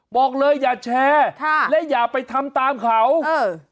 บอกเลยอย่าแชร์ค่ะและอย่าไปทำตามเขาเออ